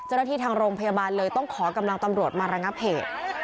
ทางโรงพยาบาลเลยต้องขอกำลังตำรวจมาระงับเหตุ